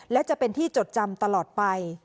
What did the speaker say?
และจะเป็นที่จดจำตลอดไป